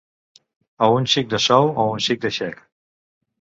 O un xic de sou i un xic de xec.